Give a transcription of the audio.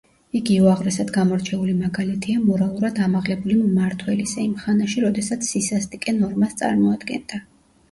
იგი უაღრესად გამორჩეული მაგალითია მორალურად ამაღლებული მმართველისა იმ ხანაში, როდესაც სისასტიკე ნორმას წარმოადგენდა.